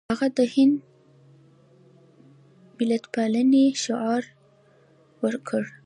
هغه د هند ملتپالنې شعار ورکړ.